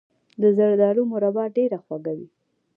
د زردالو مربا ډیره خوږه وي.